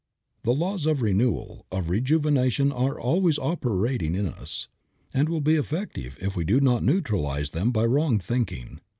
The laws of renewal, of rejuvenation are always operating in us, and will be effective if we do not neutralize them by wrong thinking.